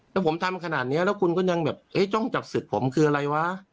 แล้วผมทำขนาดนี้แล้วคุณก็ยังแบบจ้องจับศึกผมคืออะไรวะ